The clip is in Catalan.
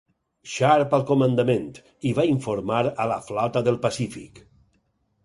Sharp al comandament; i va informar a la Flota del Pacífic.